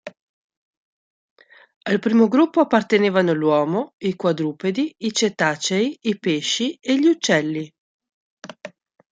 Al primo gruppo appartenevano l'uomo, i quadrupedi, i cetacei, i pesci e gli uccelli.